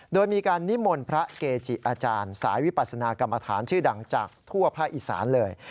โดยมีการนิมนต์พระเกจิอาจารย์สายวิปัสนากรรมฐานชื่อดังจากทั่วภาคอีสานเลย